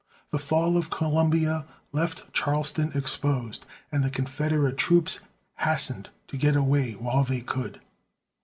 The fall of Columbia left Charleston exposed and the Confederate troops hastened to get away while they could.